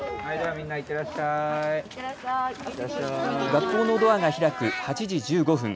学校のドアが開く８時１５分。